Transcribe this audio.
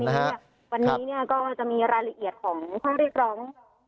วันนี้ก็จะมีรายละเอียดของข้อเรียกร้อง